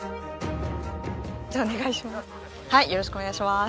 じゃあお願いします。